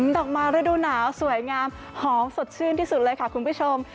ดอกไม้ฤดูหนาวสวยงามหอมสดชื่นที่สุดเลยค่ะคุณผู้ชม